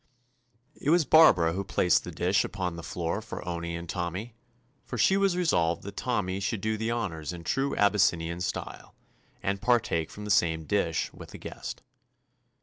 It was Barbara who placed the dish upon the floor for Owney and Tommy, for she was resolved that Tommy should do the honors in true Abys sinian style, and partake from the same dish with the guest.